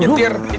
satu keluar semua